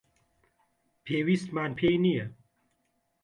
پێویستمان پێی نییە.